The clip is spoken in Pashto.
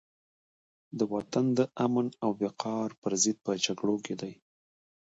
د وطن د امن او وقار پرضد په جګړه کې دي.